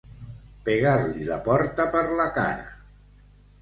Pegar-li la porta per la cara.